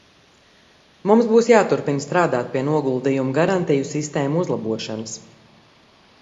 Mums būs jāturpina strādāt pie noguldījumu garantiju sistēmu uzlabošanas.